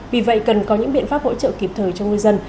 vì vậy cần có những biện pháp hỗ trợ kịp thời cho ngư dân